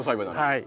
はい。